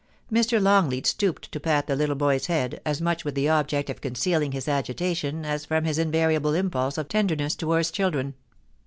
Mr. Longleat stooped to pat the little boy's head, as much with the object of concealing his agitation as from his in variable impulse of tenderness towards children.